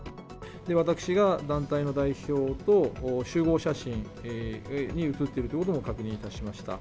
私が団体の代表と集合写真に写っているということも確認いたしました。